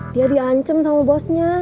dia diancem sama bosnya